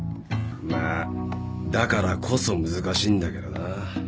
まあだからこそ難しいんだけどな